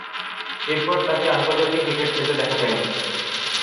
এরপর আর তাকে আন্তর্জাতিক ক্রিকেট খেলতে দেখা যায়নি।